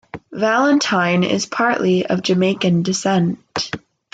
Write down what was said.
Valentine is partly of Jamaican descent.